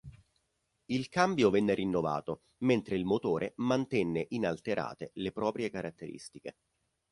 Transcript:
Il cambio venne rinnovato, mentre il motore mantenne inalterate le proprie caratteristiche.